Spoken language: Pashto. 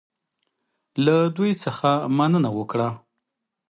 له دوی څخه مننه وکړه.